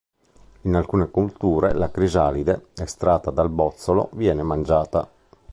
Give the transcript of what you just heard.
In alcune culture, la crisalide, estratta dal bozzolo, viene mangiata.